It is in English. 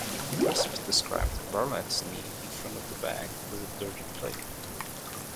Crisp described Bartlett's knee in front of the bag as a "Dirty" play.